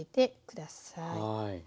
はい。